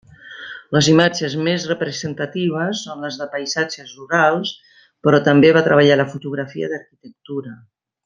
Les imatges més representatives són les de paisatges rurals, però també va treballar la fotografia d'arquitectura.